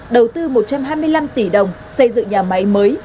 đầu tư một trăm hai mươi năm tỷ đồng xây dựng nhà máy mới